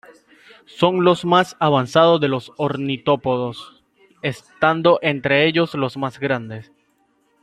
Son los más avanzados de los ornitópodos, estando entre ellos los más grandes.